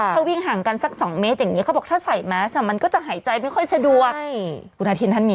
เค้าวิ่งห่างกันซัก๒เมตรอย่างนี้